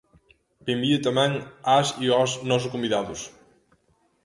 Benvida tamén ás e aos nosos convidados.